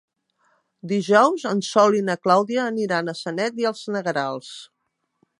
Dijous en Sol i na Clàudia aniran a Sanet i els Negrals.